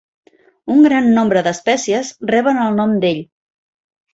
Un gran nombre d'espècies reben el nom d'ell.